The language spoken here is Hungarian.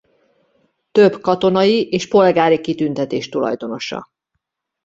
Több katonai és polgári kitüntetés tulajdonosa.